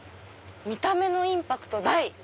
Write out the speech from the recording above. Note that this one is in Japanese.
「見た目のインパクト大。